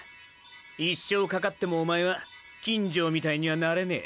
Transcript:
一生かかってもおまえは金城みたいにはなれねェ。